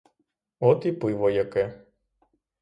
От і пиво яке!